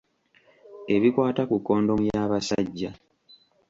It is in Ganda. Ebikwata ku kondomu y’abasajja.